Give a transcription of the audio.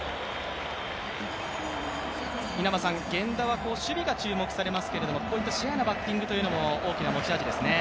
源田は守備が注目されますけれども、こういったシュアなバッティングというのも大きな持ち味ですよね。